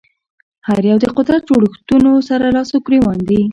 هر یو د قدرت جوړښتونو سره لاس ګرېوان دي